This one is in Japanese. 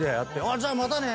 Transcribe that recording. じゃあまたね。